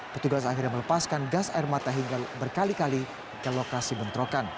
petugas akhirnya melepaskan gas air mata hingga berkali kali ke lokasi bentrokan